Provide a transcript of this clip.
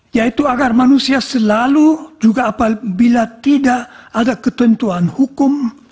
yaitu agar manusia selalu juga apabila tidak ada ketentuan hukum